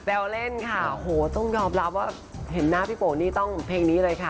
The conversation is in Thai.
แววเล่นค่ะโหต้องยอมรับว่าเห็นหน้าพี่โป่งนี่ต้องเพลงนี้เลยค่ะ